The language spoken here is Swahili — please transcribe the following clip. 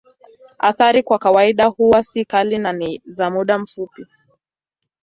Athari kwa kawaida huwa si kali na ni za muda mfupi.